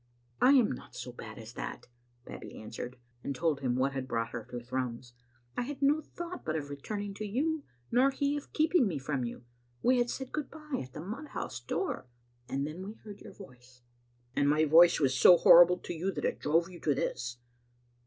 " I am not so bad as that," Babbie answered, and told him what had brought her to Thrums. "I had no thought but of returning to you, nor he of keeping me from you. We had said good by at the mudhouse door — and then we heard your voice." " And my voice was so horrible to you that it drove you to this?"